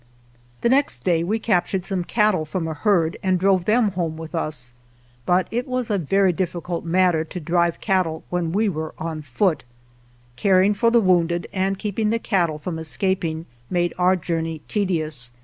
The next day we captured come cattle from a herd and drove them home with us. But it was a very difficult matter to drive cattle when we were on foot. Caring for the wounded and keeping the cattle from escaping made our journey tedious.